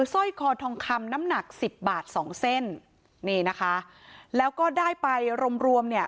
สร้อยคอทองคำน้ำหนักสิบบาทสองเส้นนี่นะคะแล้วก็ได้ไปรวมรวมเนี่ย